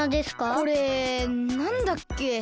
これなんだっけ？